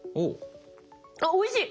あっおいしい。